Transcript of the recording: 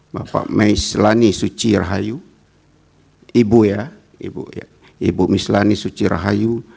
bapak meyselani suci rahayu